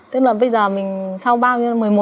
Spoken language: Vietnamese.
tức là bây giờ mình sau bao nhiêu